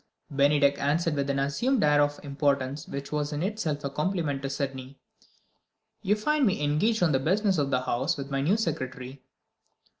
Bennydeck answered with the assumed air of importance which was in itself a compliment to Sydney: "You find me engaged on the business of the Home with my new secretary."